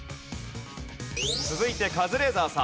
続いてカズレーザーさん。